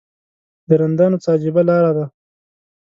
د رندانو څه عجیبه لاره ده.